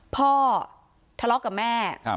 พ่อทะเลาะกับแม่